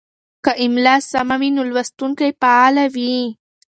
که املا سمه وي نو لوستونکی فعاله وي.